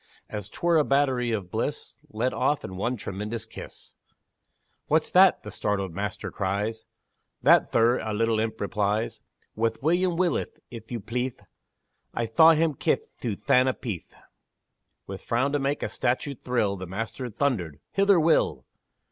As 'twere a battery of bliss Let off in one tremendous kiss! "What's that?" the startled master cries; "That, thir," a little imp replies, "Wath William Willith, if you pleathe I thaw him kith Thuthanna Peathe!" With frown to make a statue thrill, The master thundered, "Hither, Will!"